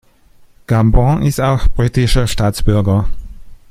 Gambon ist auch britischer Staatsbürger.